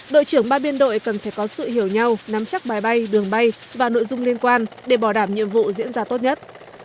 đội trưởng ba biên đội cần phải có sự hiểu nhau nắm chắc bài bay đường bay và nội dung liên quan để bảo đảm nhiệm vụ diễn ra tốt nhất